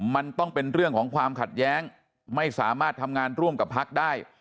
มันต้องเป็นเรื่องของความขัดแย้งไม่สามารถทำงานร่วมกับพักได้